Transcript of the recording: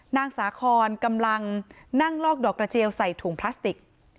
นางสาคอนกำลังนั่งลอกดอกกระเจียวใส่ถุงพลาสติก